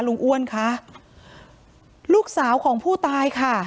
อ้วนค่ะลูกสาวของผู้ตายค่ะ